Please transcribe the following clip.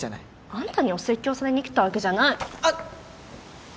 あんたにお説教されに来たわけじゃないあっ！